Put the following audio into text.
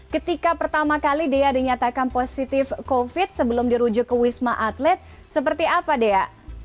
ketika pertama kali dea dinyatakan positif covid sebelum dirujuk ke wisma atlet seperti apa dea